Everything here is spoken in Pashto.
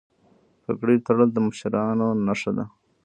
پګړۍ تړل د مشرانو نښه ده.